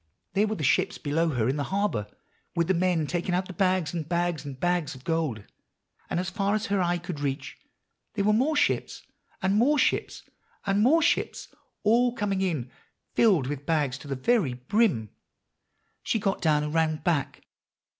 There were the ships below her in the harbor, with the men taking out the bags and bags and bags of gold; and as far as her eye could reach, there were more ships and more ships and more ships all coming in, filled with bags to the very brim. She got down, and ran back.